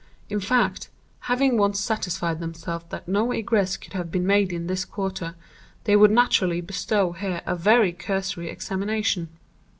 In fact, having once satisfied themselves that no egress could have been made in this quarter, they would naturally bestow here a very cursory examination.